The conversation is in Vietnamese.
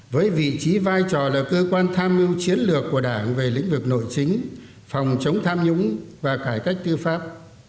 với vị trí vai trò là cơ quan tham mưu chiến lược của đảng về lĩnh vực nội chính phòng chống tham nhũng và cải cách tư pháp